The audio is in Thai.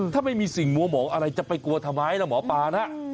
ถ้าไม่มีสิ่งมัวหมองอะไรจะไปกลัวทำไมล่ะหมอปลานะ